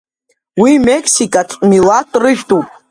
Уи мексикатәи милаҭтә рыжәтәуп.